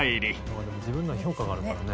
まあでも自分らの評価があるからね。